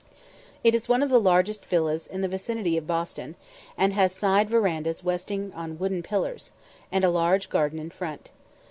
It is one of the largest villas in the vicinity of Boston, and has side verandahs resting on wooden pillars, and a large garden in front.